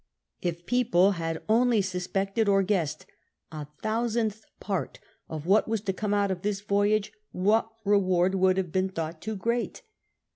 If people had only suspected or guessed a thousandth part of what was to come out of this voyage, what reward would have been thought too great?